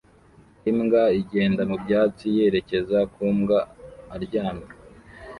Imbwa igenda mu byatsi yerekeza ku mbwa aryamye